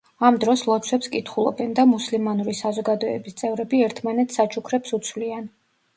ამ დროს ლოცვებს კითხულობენ და მუსლიმანური საზოგადოების წევრები ერთმანეთს საჩუქრებს უცვლიან.